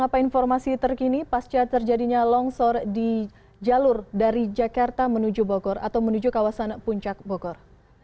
apa informasi terkini pasca terjadinya longsor di jalur dari jakarta menuju bogor atau menuju kawasan puncak bogor